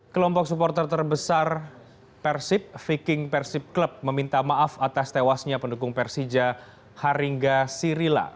kelompok supporter terbesar persib viking persib club meminta maaf atas tewasnya pendukung persija haringa sirila